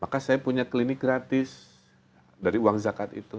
maka saya punya klinik gratis dari uang zakat itu